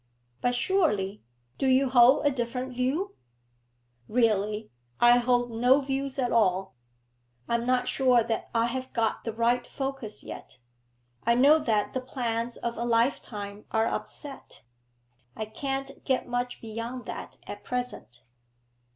'But surely Do you hold a different view?' 'Really, I hold no views at all. I am not sure that I have got the right focus yet. I know that the plans of a lifetime are upset; I can't get much beyond that at present.'